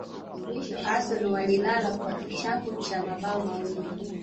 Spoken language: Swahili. Mwisho Arsenal walilala kwa kichapo cha mabao mawili